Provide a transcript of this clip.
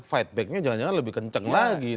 fightbacknya jangan jangan lebih kencang lagi